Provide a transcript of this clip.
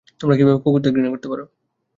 তোমরা কিভাবে কুকুরদের ঘৃণা করতে পারো।